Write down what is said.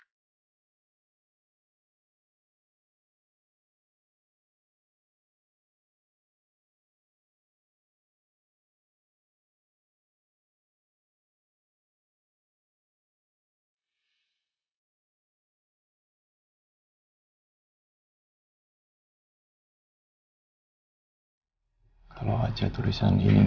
beruntung dari makhluk yang hilang